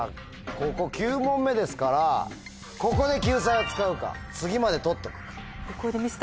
ここ９問目ですからここで救済を使うか次まで取っとくか。